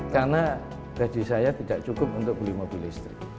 karena gaji saya tidak cukup untuk beli mobil listrik